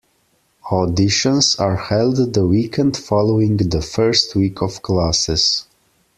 Auditions are held the weekend following the first week of classes.